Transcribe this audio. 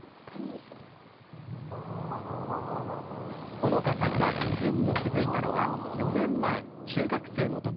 ほのかさんが異変に気付いたのは４年前、中学生の時。